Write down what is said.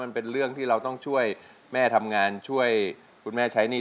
มันเป็นเรื่องที่เราต้องช่วยแม่ทำงานช่วยคุณแม่ใช้หนี้